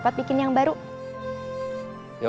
udah lah ya